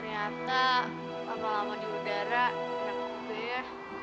ternyata lama lama di udara enak juga ya